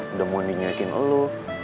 udah mondi nyelekin lo